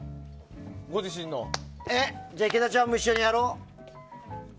じゃあ、池田ちゃんも一緒にやろう。